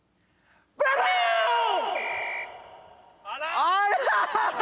・あら！